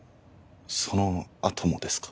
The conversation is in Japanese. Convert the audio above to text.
そのあともですか？